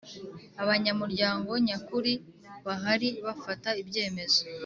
abanyamuryango nyakuri bahari bafata ibyemezo